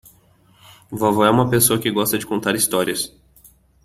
Vovó é uma pessoa que gosta de contar histórias.